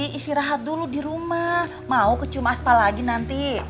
bibi isi rahat dulu di rumah mau ke cuma aspa lagi nanti